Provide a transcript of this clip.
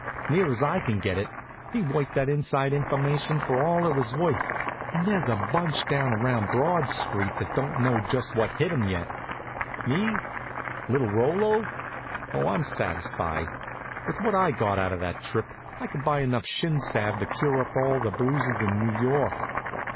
Near as I can get it, he worked that inside information for all it was worth and there's a bunch down around Broad street that don't know just what hit 'em yet. Me? Little Rollo? Oh, I'm satisfied. With what I got out of that trip I could buy enough shin salve to cure up all the bruises in New York.